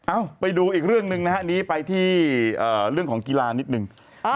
ไปดูอีกเรื่องหนึ่งนะฮะนี้ไปที่เรื่องของกีฬานิดนึง